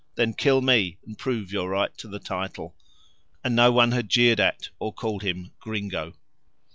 then kill me and prove your right to the title," and no one had jeered at or called him "gringo."